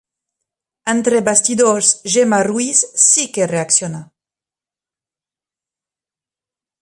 Entre bastidors Gemma Ruiz sí que reacciona.